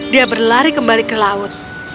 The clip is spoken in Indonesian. dia berlari kembali ke laut